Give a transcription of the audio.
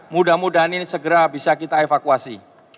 mudah mudahan ini segera bisa kita evakuasi